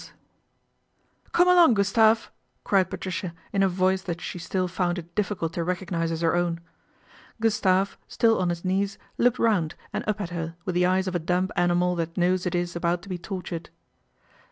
THE AIR RAID 267 " Come along, Gustave," cried Patricia in a voice that she still found it difficult to recognise as her own. Gustave, still on his knees, looked round and up at her with the eyes of a dumb animal that knows it is about to be tortured.